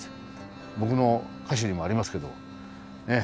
僕の歌詞にもありますけどね